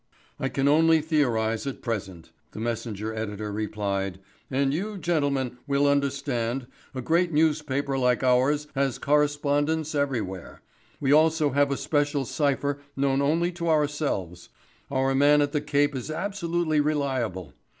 "I can only theorise at present," the Messenger editor replied. "And you, gentlemen, will understand, a great newspaper like ours has correspondents everywhere. We also have a special cypher known only to ourselves. Our man at the Cape is absolutely reliable.